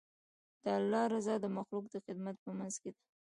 د الله رضا د مخلوق د خدمت په منځ کې ده.